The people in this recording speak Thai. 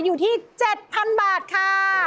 อยู่ที่๗๐๐บาทค่ะ